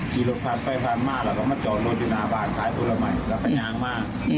ขายตัวละหมายแล้วก็ยางมาก